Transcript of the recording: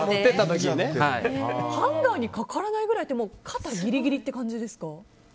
ハンガーにかからないぐらいって肩ギリギリって感じですか？